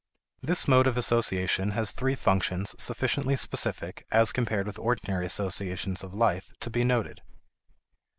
This mode of association has three functions sufficiently specific, as compared with ordinary associations of life, to be noted.